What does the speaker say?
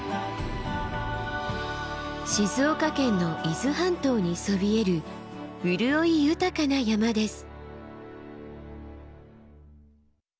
静岡県の伊豆半島にそびえる潤い豊かな山です。